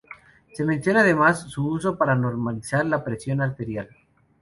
Se menciona además su uso para normalizar la presión arterial.